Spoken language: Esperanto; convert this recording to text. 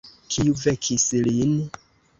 Kiu vekis lin?